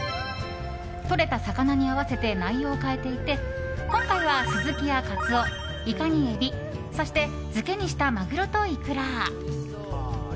とれた魚に合わせて内容を変えていて今回は、スズキやカツオイカにエビそして漬けにしたマグロとイクラ。